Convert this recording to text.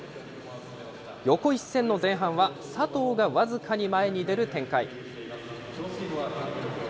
横一線の前半は、佐藤が僅かに前に出る展開。